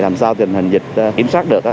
làm sao thì ảnh hình dịch kiểm soát được